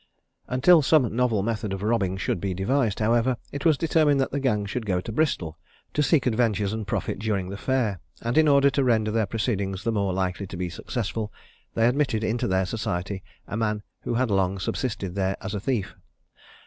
Until some novel method of robbing should be devised, however, it was determined that the gang should go to Bristol, to seek adventures and profit during the fair; and in order to render their proceedings the more likely to be successful, they admitted into their society a man who had long subsisted there as a thief.